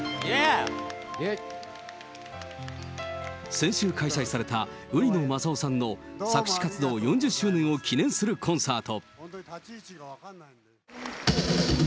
先週開催された売野雅勇さんの作詞活動４０周年を記念するコンサート。